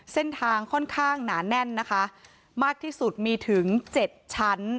เส้นทางค่อนข้างหนาแน่นนะคะมากที่สุดมีถึงเจ็ดชั้น